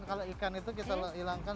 kalau ikan itu kita hilangkan